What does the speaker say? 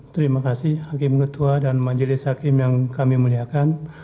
terima kasih hakim ketua dan majelis hakim yang kami muliakan